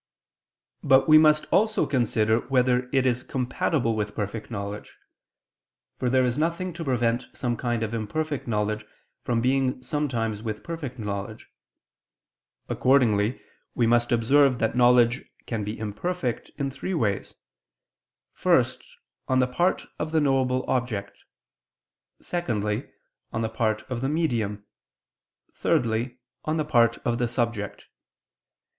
But we must also consider whether it is compatible with perfect knowledge: for there is nothing to prevent some kind of imperfect knowledge from being sometimes with perfect knowledge. Accordingly we must observe that knowledge can be imperfect in three ways: first, on the part of the knowable object; secondly, on the part of the medium; thirdly, on the part of the subject.